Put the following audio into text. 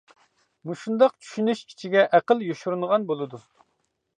مۇشۇنداق چۈشىنىش ئىچىگە ئەقىل يوشۇرۇنغان بولىدۇ.